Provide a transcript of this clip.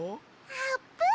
あーぷん！